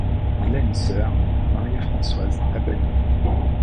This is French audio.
Il a une sœur, Marie-Françoise Abadie.